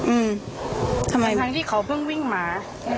อืมทำไมทั้งที่เขาเพิ่งวิ่งมา